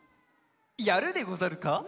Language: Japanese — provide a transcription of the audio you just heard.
やるでござるか。